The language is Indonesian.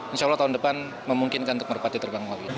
insya allah tahun depan memungkinkan untuk merpati terbang lagi